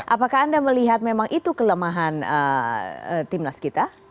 apakah anda melihat memang itu kelemahan timnas kita